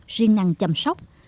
duyên năng chăm sóc